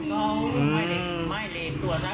พี่สาวบอกว่าไม่ได้ไปกดยกเลิกรับสิทธิ์นี้ทำไม